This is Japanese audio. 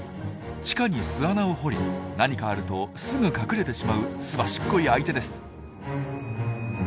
地下に巣穴を掘り何かあるとすぐ隠れてしまうすばしっこい相手です。